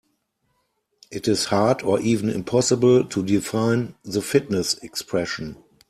It is hard or even impossible to define the fitness expression.